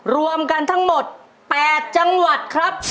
รวมกันทั้งหมด๘จังหวัดครับ